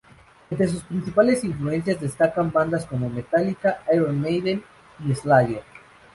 Entre sus principales influencias, destacan bandas como Metallica, Iron Maiden y Slayer.